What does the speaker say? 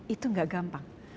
itu enggak gampang